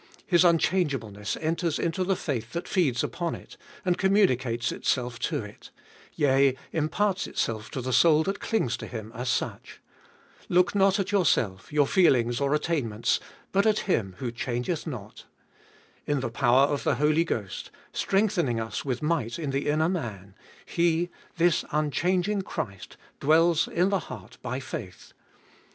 His unchangeableness enters into the faith that feeds upon it, and communicates itself to it ; yea, imparts itself to the soul that clings to Him as such. Look not at yourself, your feelings or 528 abe Ibolfeat of ail attainments, but at Him who changeth not. In the power of the Holy Ghost, strengthening us with might in the inner man, He, this unchanging Christ, dwells in the heart by faith.